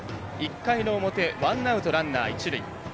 １回の表ワンアウト、ランナー、一塁。